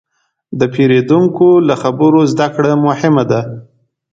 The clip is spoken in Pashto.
د پیرودونکي له خبرو زدهکړه مهمه ده.